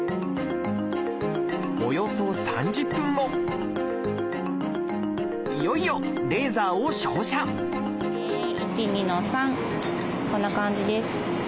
およそ３０分後いよいよレーザーを照射１２の３！こんな感じです。